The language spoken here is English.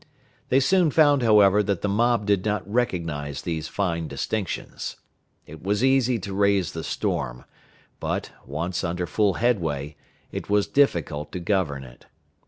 They soon found, however, that the mob did not recognize these fine distinctions. It was easy to raise the storm, but, once under full headway, it was difficult to govern it.